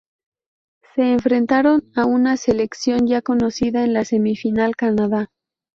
Se enfrentaron a una selección ya conocida en la semifinal, Canadá.